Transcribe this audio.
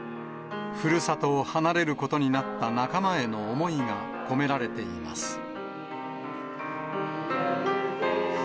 ふるさとを離れることになった仲間への思いが込められています。